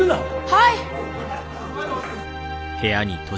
はい！